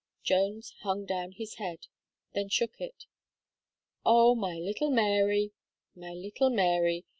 Jones hung down his head then shook it "Oh! my little Mary my little Mary!"